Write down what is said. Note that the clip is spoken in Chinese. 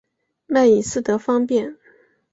卖隐私得方便